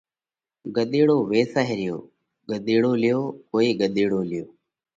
ڳۮيڙو ويسائه ريو ڪوئي ڳۮيڙو ليو، ڪوئي ڳۮيڙو ليو۔